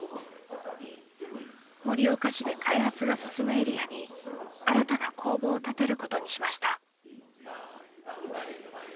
盛岡市で開発が進むエリアに新たな工房を建てることにしました。